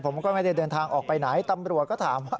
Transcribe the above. ผมก็ไม่ได้เดินทางออกไปไหนตำรวจก็ถามว่า